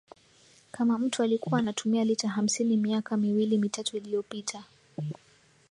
kama mtu alikuwa anatumia lita hamsini miaka miwili mitatu iliopita